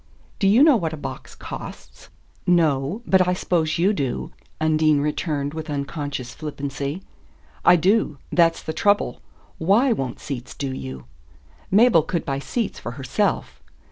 "Do you know what a box costs?" "No; but I s'pose you do," Undine returned with unconscious flippancy. "I do. That's the trouble. WHY won't seats do you?" "Mabel could buy seats for herself."